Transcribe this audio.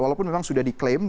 walaupun memang sudah diklaim